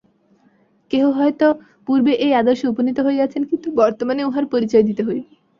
কেহ হয়তো পূর্বে এই আদর্শে উপনীত হইয়াছেন, কিন্তু বর্তমানে উহার পরিচয় দিতে হইবে।